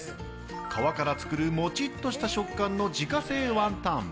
皮から作るモチッとした食感の自家製ワンタン。